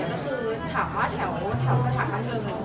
เพราะส่วนใหญ่ก็คือถามว่าแถวแถวข้างบ้านเกิงอะไรอย่างเงี้ย